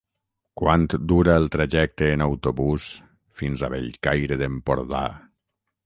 Quant dura el trajecte en autobús fins a Bellcaire d'Empordà?